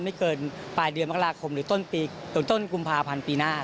ไม่เกินปลายเดือนมกราคมหรือต้นกุมภาพันธ์ปีหน้า